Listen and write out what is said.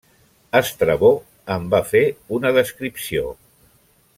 Estrabó en va fer una descripció.